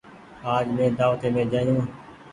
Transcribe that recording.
آج مين دآوتي مين جآيو۔